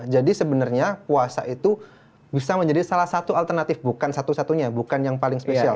jadi sebenarnya puasa itu bisa menjadi salah satu alternatif bukan satu satunya bukan yang paling spesial